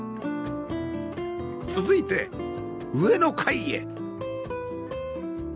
続いて上の階へ